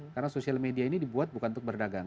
karena sosial media ini dibuat bukan untuk berdagang